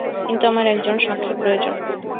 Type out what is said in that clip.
কিন্তু আমার একজন সাক্ষী প্রয়োজন।